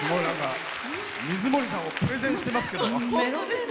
水森さんをプレゼンしてますけれども。